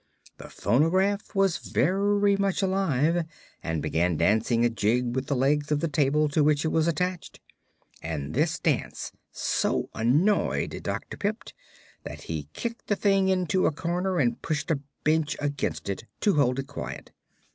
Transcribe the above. The phonograph was very much alive, and began dancing a jig with the legs of the table to which it was attached, and this dance so annoyed Dr. Pipt that he kicked the thing into a corner and pushed a bench against it, to hold it quiet.